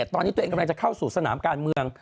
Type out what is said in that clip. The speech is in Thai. ตอนนี้ตัวเองกำลังจะเข้าสู่สนามการเมือง